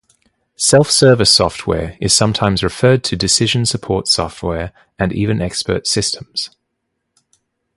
Self-service software is sometimes referred to decision support software and even expert systems.